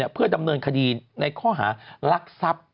เพื่อดำเนินคดีในข้อหารักทรัพย์